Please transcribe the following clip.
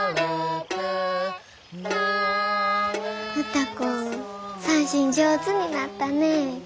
歌子三線上手になったね。